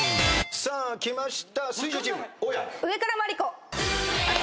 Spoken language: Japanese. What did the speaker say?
さあきました